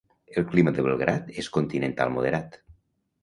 El clima de Belgrad és continental moderat.